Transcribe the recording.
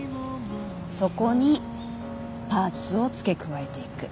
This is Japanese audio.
そこにパーツを付け加えていく。